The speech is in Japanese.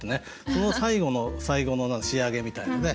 その最後の最後の仕上げみたいなね。